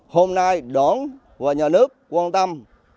hôm nay đón và nhờ nước quan tâm